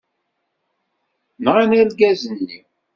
Nɣan argaz-nni.